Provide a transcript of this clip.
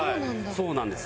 そうなんです。